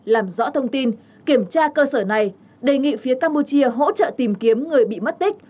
làm rõ thông tin kiểm tra cơ sở này đề nghị phía campuchia hỗ trợ tìm kiếm người bị mất tích